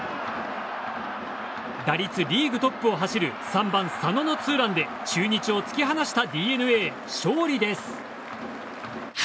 打率リーグトップを走る３番、佐野のツーランで中日を突き放したＤｅＮＡ勝利です。